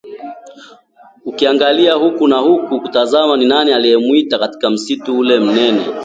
akiangaza huku na huku kutazama ni nani anayemwita katika msitu ule mnene